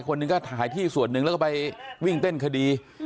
คนหนึ่งก็ขายที่ส่วนหนึ่งแล้วก็ไปวิ่งเต้นคดี